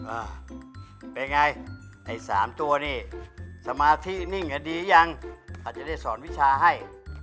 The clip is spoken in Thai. อ่าเป็นไงไอ้สามตัวนี่สมาธินิ่งอ่ะดียังเขาจะได้สอนวิชาให้